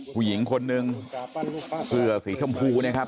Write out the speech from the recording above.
ผู้หญิงคนนึงเสื้อสีชมพูนะครับ